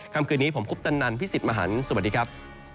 คำคืนนี้ผมคุปตันนันพี่สิทธิ์มหันฯสวัสดีครับ